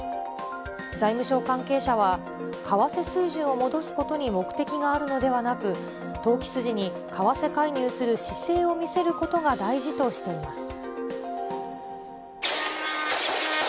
財務省関係者は、為替水準を戻すことに目的があるのではなく、投機筋に為替介入する姿勢を見せることが大事としています。